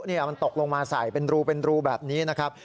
มันตกลงมาใส่เป็นรูเป็นรูแบบนี้นะครับ